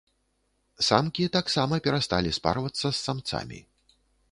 Самкі таксама перасталі спарвацца з самцамі.